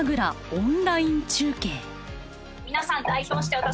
オンライン中継。